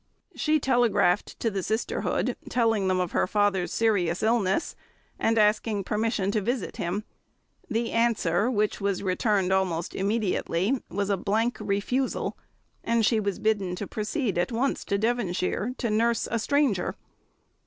She telegraphed to the sisterhood, telling them of her father's serious illness, and asking permission to visit him. The answer, which was returned almost immediately, was a blank refusal, and she was bidden to proceed at once to Devonshire to nurse a stranger.